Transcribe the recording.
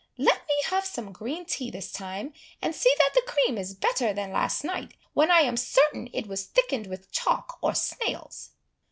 Let me have some green tea this time; and see that the cream is better than last night, when I am certain it was thickened with chalk or snails.